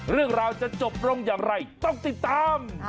เรื่องราวจะจบลงอย่างไรต้องติดตาม